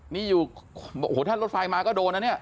นี่อยู่โอ้โฮถ้ารถไฟมาก็โดนอะนี่ค่ะนี่ค่ะ